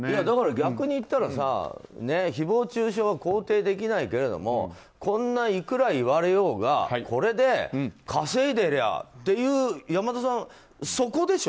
逆に言ったらさ誹謗中傷は肯定できないけれどこんなにいくら言われようがこれで稼いでりゃっていう山田さん、そこでしょ。